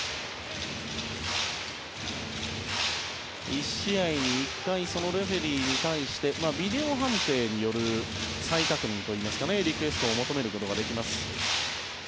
１試合に１回レフェリーに対してビデオ判定による再確認といいますかリクエストを求められます。